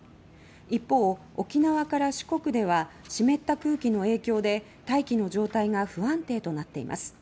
一方、沖縄から四国では湿った空気の影響で大気の状態が不安定となっています。